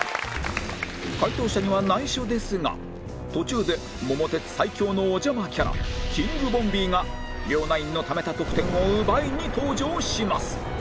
解答者には内緒ですが途中で『桃鉄』最恐のお邪魔キャラキングボンビーが両ナインのためた得点を奪いに登場します